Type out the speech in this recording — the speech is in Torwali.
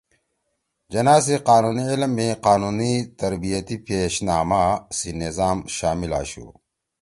جناح سی قانونی علم می قانونی تربیتی پیش نامہ (Pupillage) سی نظام شامل آشُو